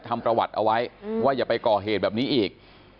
ทำประวัติเอาไว้ว่าอย่าไปก่อเหตุแบบนี้อีก